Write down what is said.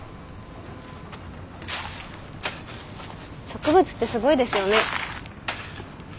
植物ってすごいですよね。